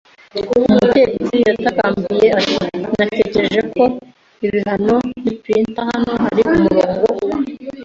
Umutetsi yatakambiye ati: “Natekereje ko.” “Ibi hano ni p'inter. Hano hari umurongo wa